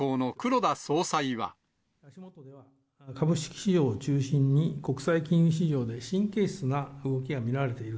株式市場を中心に、国際金融市場で神経質な動きが見られている。